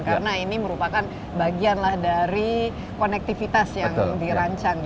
karena ini merupakan bagian dari konektivitas yang dirancang